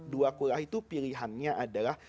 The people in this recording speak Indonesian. dua kulah itu pilihannya adalah